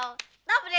kamu taro obat ya